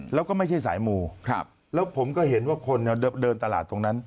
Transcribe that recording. แล้วก็ไม่ใช่สายมูแล้วผมก็เห็นว่าคนเดินตลาดตรงนั้น